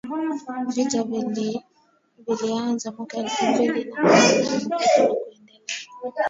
Vita vilianza mwaka elfu mbili na kumi na mbili na kuendelea